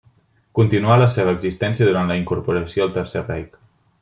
Continuà la seva existència durant la incorporació al Tercer Reich.